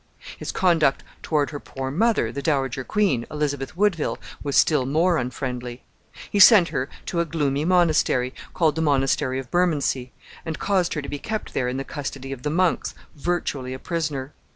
His conduct toward her poor mother, the dowager queen, Elizabeth Woodville, was still more unfriendly. He sent her to a gloomy monastery, called the Monastery of Bermondsey, and caused her to be kept there in the custody of the monks, virtually a prisoner.